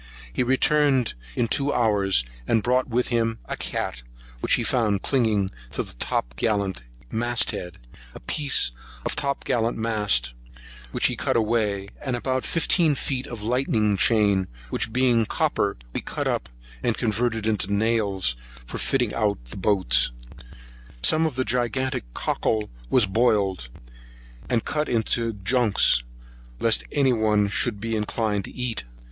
He returned in two hours, and brought with him a cat, which he found clinging to the top gallant mast head; a piece of the top gallant mast, which he cut away; and about fifteen feet of the lightning chain; which being copper, we cut up, and converted into nails for fitting out the boats. Some of the gigantic cockle was boiled, and cut into junks, lest any one should be inclined to eat.